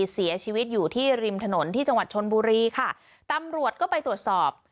เสียชีวิตอยู่ที่ริมถนนที่จังหวัดชนบุรีค่ะตำรวจก็ไปตรวจสอบ